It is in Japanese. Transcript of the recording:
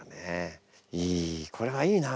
いいこれはいいな。